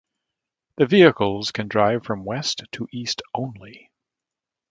The vehicles can drive from west to east only.